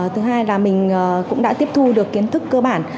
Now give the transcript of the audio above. thứ hai là mình cũng đã tiếp thu được kiến thức cơ bản